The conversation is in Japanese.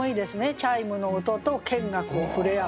チャイムの音と剣がこう触れ合う。